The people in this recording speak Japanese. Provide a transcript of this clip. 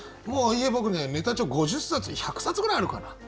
もう家僕ねネタ帳５０冊１００冊ぐらいあるかな。